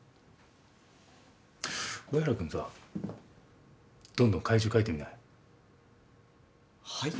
上原君さどんどん怪獣書いてみない？